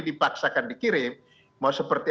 dipaksakan dikirim mau seperti